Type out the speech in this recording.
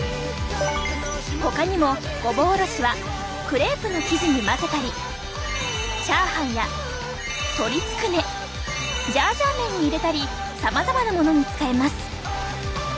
ほかにもごぼおろしはクレープの生地に混ぜたりチャーハンや鶏つくねジャージャー麺に入れたりさまざまなものに使えます！